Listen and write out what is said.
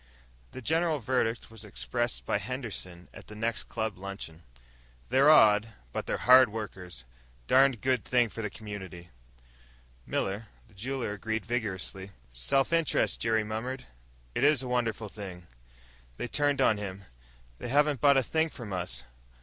The general verdict was expressed by Henderson at the next club luncheon. "They're odd, but they're hard workers. Darned good thing for the community." Miller, the jeweler, agreed vigorously. "Self interest," Jerry murmured, "is a wonderful thing." They turned on him. "They haven't bought a thing from us!